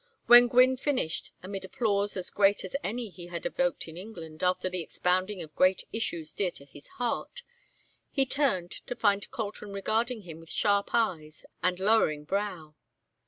When Gwynne finished amid applause as great as any he had evoked in England after the expounding of great issues dear to his heart, he turned to find Colton regarding him with sharp eyes and lowering brow.